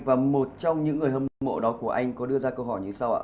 và một trong những người hâm mộ đó của anh có đưa ra câu hỏi như sau ạ